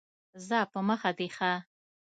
ځه په مخه دي ښه !